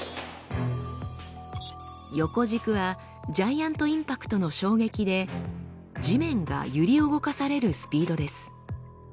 横軸はジャイアント・インパクトの衝撃で地面が揺り動かされるスピードです。